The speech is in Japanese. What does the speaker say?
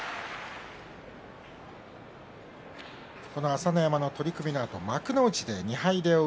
朝乃山の取組のあと幕内で２敗で追う